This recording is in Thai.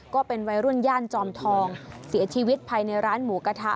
ก็เป็นวัยรุ่นย่านจอมทองเสียชีวิตภายในร้านหมูกระทะ